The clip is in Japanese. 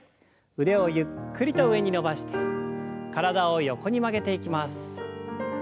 腕をゆっくりと上に伸ばして体を横に曲げていきます。